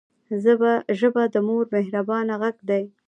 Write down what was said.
ژبه د مور مهربانه غږ دی